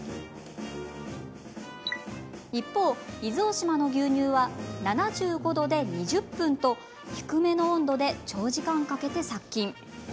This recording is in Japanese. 一方、伊豆大島の牛乳は７５度で２０分と低めの温度で長時間かけて殺菌。